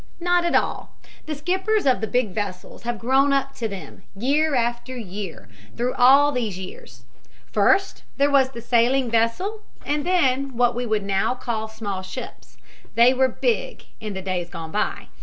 "Not at all. The skippers of the big vessels have grown up to them, year after year, through all these years. First there was the sailing vessel and then what we would now call small ships they were big in the days gone by and finally the giants to day."